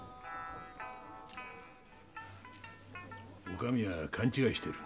女将は勘違いしてる。